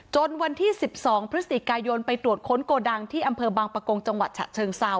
วันที่๑๒พฤศจิกายนไปตรวจค้นโกดังที่อำเภอบางประกงจังหวัดฉะเชิงเซา